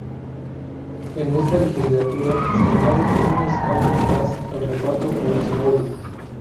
En esta legislatura se añade un escaño más al reparto, por Segovia.